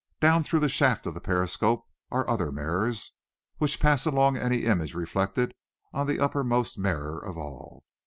Down through the shaft of the periscope are other mirrors, which pass along any image reflected on the uppermost mirror of all.